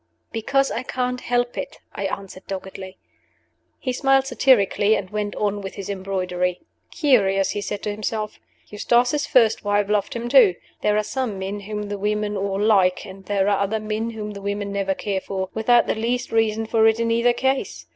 "Because I can't help it," I answered, doggedly. He smiled satirically, and went on with his embroidery. "Curious!" he said to himself; "Eustace's first wife loved him too. There are some men whom the women all like, and there are other men whom the women never care for. Without the least reason for it in either case.